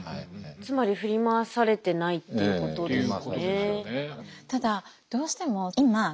つまり振り回されてないっていうことですよね。